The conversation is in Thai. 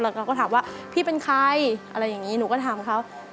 แล้วก็ถามว่าพี่เป็นใครอะไรอย่างนี้หนูก็ถามเขา